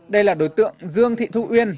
đây là đối tượng dương thị thu yên